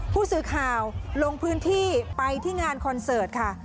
ผู้สื่อข่าวลงพื้นที่ไปที่งานคอนเสิร์ตค่ะ